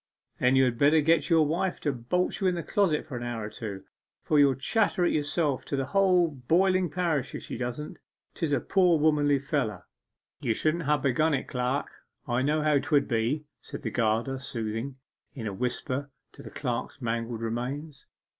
'Then you had better get your wife to bolt you in the closet for an hour or two, for you'll chatter it yourself to the whole boiling parish if she don't! 'Tis a poor womanly feller!' 'You shouldn't ha' begun it, clerk. I knew how 'twould be,' said the gardener soothingly, in a whisper to the clerk's mangled remains.